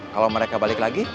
kalau mereka balik lagi